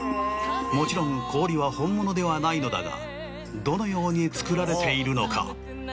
もちろん氷は本物ではないのだがどのように作られているのか？